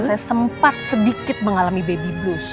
saya sempat sedikit mengalami baby boost